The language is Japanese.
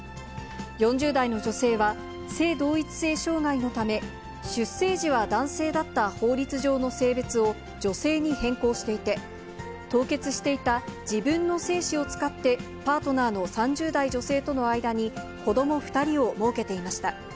４０代の女性は、性同一性障害のため、出生時は男性だった法律上の性別を女性に変更していて、凍結していた自分の精子を使って、パートナーの３０代女性との間に子ども２人をもうけていました。